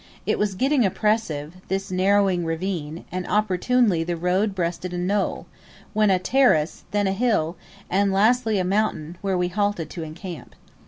It was getting oppressive, this narrowing ravine, and opportunely the road breasted a knoll, then a terrace, then a hill, and lastly a mountain, where we halted to encamp.